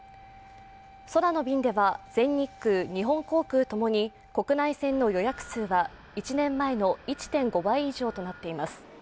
空の便では、全日空、日本航空ともに国内線の予約数は１年前の１．５倍以上となっています。